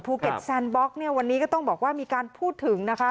แซนบล็อกเนี่ยวันนี้ก็ต้องบอกว่ามีการพูดถึงนะคะ